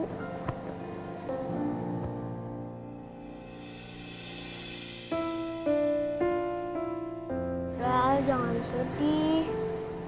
udah jangan sedih